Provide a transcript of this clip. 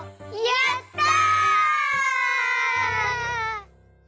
やった！